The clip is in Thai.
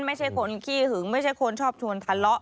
ไม่ใช่คนขี้หึงไม่ใช่คนชอบชวนทะเลาะ